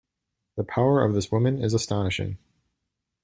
The power of this woman is astonishing.